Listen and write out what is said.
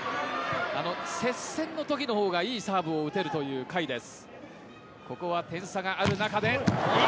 接戦のときの方がいいサーブを打てるという甲斐です。